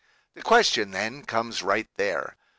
The question, then, comes right there.